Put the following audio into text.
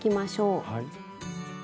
はい。